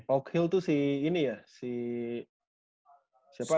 oak hill tuh si ini ya si siapa